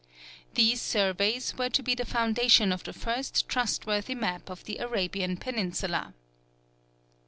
These surveys were to be the foundation of the first trustworthy map of the Arabian peninsula.